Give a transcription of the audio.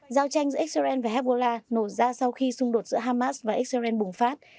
giao tranh giữa israel và hezbollah nổ ra sau khi xung đột giữa hamas và israel bùng phát